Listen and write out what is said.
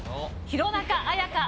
弘中綾香